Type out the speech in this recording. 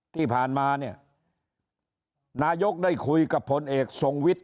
ที่ผ่านมาเนี่ยนายกได้คุยกับพลเอกทรงวิทย